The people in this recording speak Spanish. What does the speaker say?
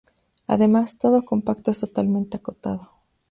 Además, todo compacto es totalmente acotado.